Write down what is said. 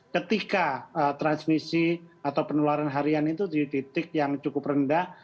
ketika transmisi atau penularan harian itu di titik yang cukup rendah